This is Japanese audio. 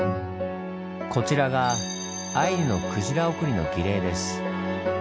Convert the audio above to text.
こちらがアイヌの鯨送りの儀礼です。